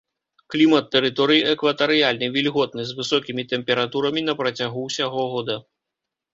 Клімат тэрыторыі экватарыяльны, вільготны, з высокімі тэмпературамі на працягу ўсяго года.